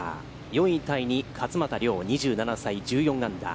４位タイに勝俣陵、２７歳、１４アンダー。